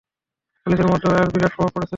খালিদের মধ্যেও এর বিরাট প্রভাব পড়েছিল।